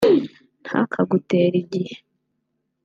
ntakagutere igihe…